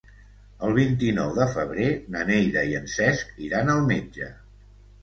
El vint-i-nou de febrer na Neida i en Cesc iran al metge.